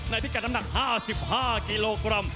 พิกัดน้ำหนัก๕๕กิโลกรัม